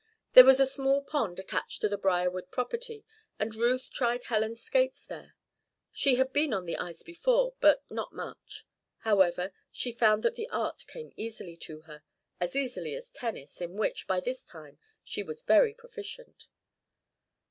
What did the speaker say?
There was a small pond attached to the Briarwood property and Ruth tried Helen's skates there. She had been on the ice before, but not much; however, she found that the art came easily to her as easily as tennis, in which, by this time, she was very proficient.